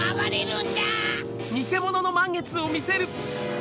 ん？